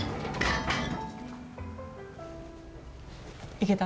いけた？